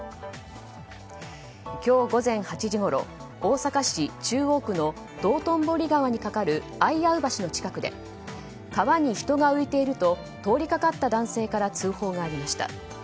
今日午前８時ごろ大阪市中央区の道頓堀川に架かる相合橋の近くで川に人が浮いていると通りかかった男性から通報がありました。